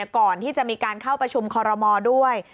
ก่อนที่จะมีการเข้าประชุมคอรมอลด้วย